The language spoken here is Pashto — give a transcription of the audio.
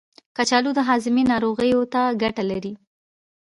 کچالو د هاضمې ناروغیو ته ګټه لري.